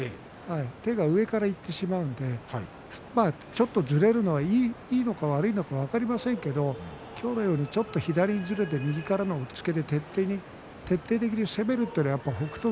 手が上からいってしまうのでちょっとずれるのはいいのか悪いのか分かりませんけども今日のようにちょっと左にずれて右からの押っつけで徹底して攻めるというのは北勝